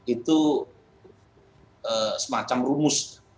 itu semacam rumus